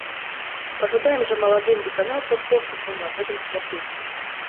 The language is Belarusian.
Пажадаем жа маладым выканаўцам поспехаў на гэтым шляху.